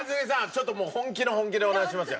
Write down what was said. ちょっともう本気の本気でお願いしますよ。